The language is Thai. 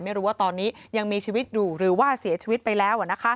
ไม่รู้ว่าตอนนี้ยังมีชีวิตอยู่หรือว่าเสียชีวิตไปแล้ว